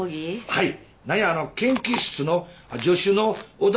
はい。